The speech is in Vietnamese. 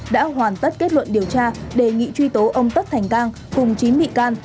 đã hoàn tất kết luận điều tra đề nghị truy tố ông tất thành cang cùng chín bị can